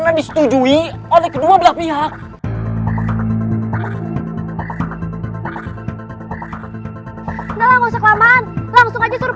asli mereka mau melawan diri pembatas tuh